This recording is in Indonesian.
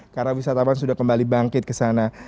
karena wisatawan sudah kembali bangkit ke sana